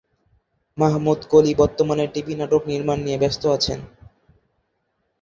মাহমুদ কলি বর্তমানে টিভি নাটক নির্মাণ নিয়ে ব্যস্ত আছেন।